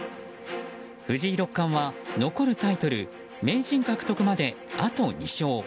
藤井六冠は、残るタイトル名人獲得まで、あと２勝。